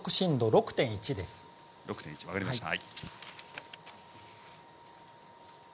６．１、分かりました。